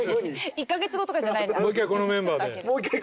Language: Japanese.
１カ月後とかじゃないんだ。